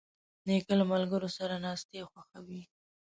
نیکه له ملګرو سره ناستې خوښوي.